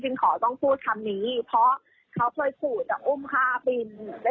ผมขอต้องพูดคำนี้เพราะเขาช่วยสูญปริศนีร